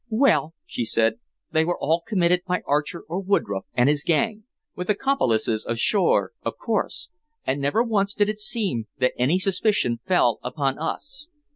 "Well," she said, "they were all committed by Archer or Woodroffe and his gang with accomplices ashore, of course and never once did it seem that any suspicion fell upon us.